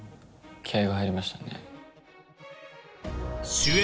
気合が入りましたね